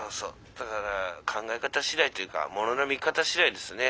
だから考え方次第というかものの見方次第ですね。